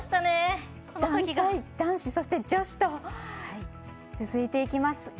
団体、男子、そして女子と続いていきます。